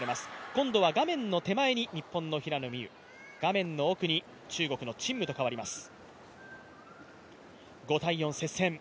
今度は画面の手前に日本の平野美宇、画面の奥に中国の陳夢と変わります。